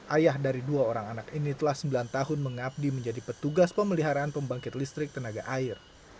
ayah dari dua orang anak ini telah sembilan tahun mengabdi menjadi petugas pemeliharaan pembangkit listrik tenaga air